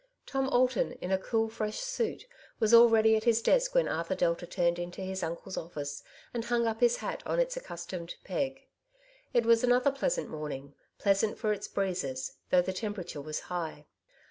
Tom Alton, in a cool fresh suit, was already at his desk when Arthur Delta turned into his uncle's office, and hung up his hat on its accustomed peg. It was another pleasant morning, pleasant for its breezes, though the temperature was high.